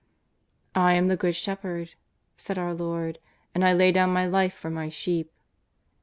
''*' I am the Good Shepherd," said our Lord, " and I lay dovm My life for My sheep."